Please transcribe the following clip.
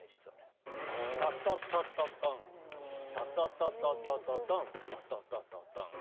タタタタタンタタタタタタタンタタタタタン。